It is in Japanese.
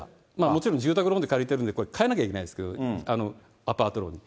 もちろん住宅ローンで借りてるんで、変えなきゃいけないんですけど、アパートローンに。